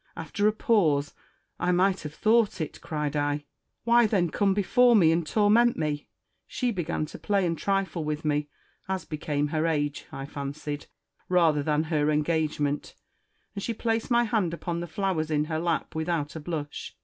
After a pause, ' I might have thought it !' cried I :' why then come before me and torment me ?' She began to play and trifle with me, as became her age (I fancied) rather than her engage ment, and she placed my hand upon the flowers in her lap without a blush.